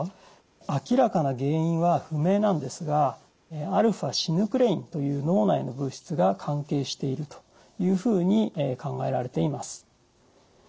明らかな原因は不明なんですがαシヌクレインという脳内の物質が関係しているというふうに考えられています。